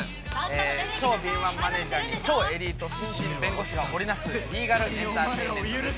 超敏腕マネージャーと超エリート新人弁護士が織りなす、リーガルエンターテインメントです。